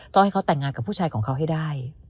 ต้องให้เขาแต่งงานกับผู้ชายของเขาให้ได้